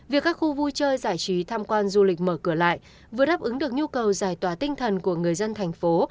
việc các khu vui chơi giải trí tham quan du lịch mở cửa lại vừa đáp ứng được nhu cầu giải tỏa tinh thần của người dân thành phố